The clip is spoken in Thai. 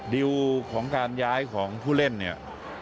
ดิวของการย้ายของผู้เล่นเนี่ย